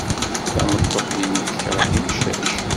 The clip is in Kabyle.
Tameṭṭut-inu tekṛeh imcac.